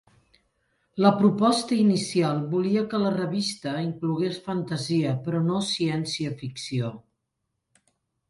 La proposta inicial volia que la revista inclogués fantasia, però no ciència-ficció.